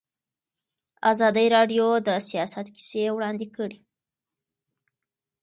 ازادي راډیو د سیاست کیسې وړاندې کړي.